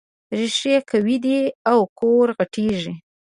ريښې قوي دي او کور غټېږي.